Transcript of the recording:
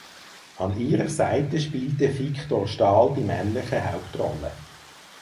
An ihrer Seite spielte Viktor Staal die männliche Hauptrolle.